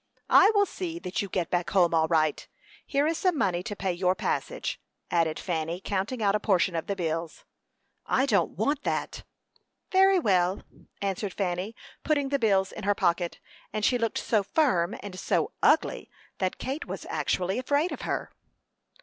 "I will see that you get back home all right. Here is some money to pay your passage," added Fanny, counting out a portion of the bills. "I don't want that." "Very well," answered Fanny, putting the bills in her pocket; and she looked so firm and so "ugly" that Kate was actually afraid of her.